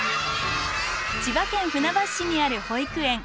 千葉県船橋市にある保育園。